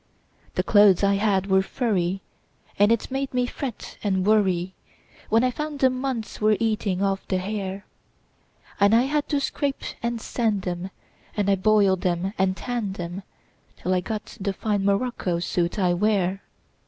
The clothes I had were furry, And it made me fret and worryWhen I found the moths were eating off the hair; And I had to scrape and sand 'em, And I boiled 'em and I tanned 'em, Till I got the fine morocco suit I wear.